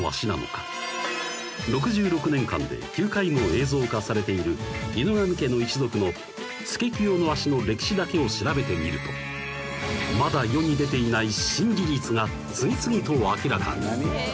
［６６年間で９回も映像化されている『犬神家の一族』のスケキヨの足の歴史だけを調べてみるとまだ世に出ていない］